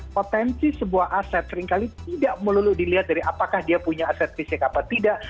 potensi sebuah aset seringkali tidak melulu dilihat dari apakah dia punya aset fisik apa tidak